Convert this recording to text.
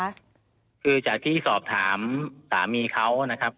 คือจากที่สอบถามสามีเขานะครับ